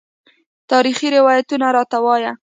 تاریخي روایتونه راته وايي.